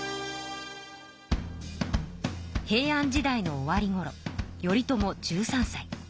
平安時代の終わりごろ頼朝１３さい。